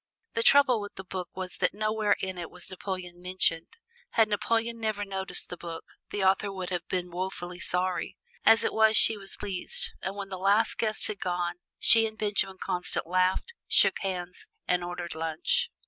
The trouble with the book was that nowhere in it was Napoleon mentioned. Had Napoleon never noticed the book, the author would have been woefully sorry. As it was she was pleased, and when the last guest had gone she and Benjamin Constant laughed, shook hands, and ordered lunch.